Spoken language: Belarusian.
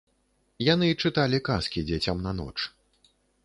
Яны чыталі казкі дзецям на ноч.